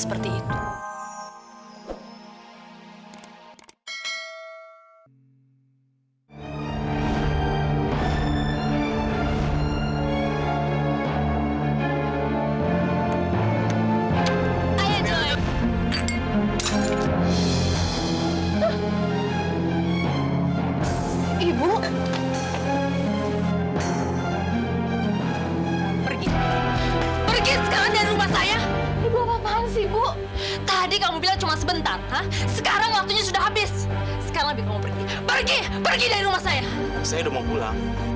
pergi dari rumah saya